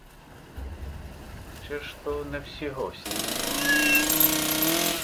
Ще ж то не всі гості.